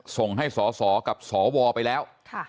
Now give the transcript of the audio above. ส่งให้สสกับสวไปแล้ว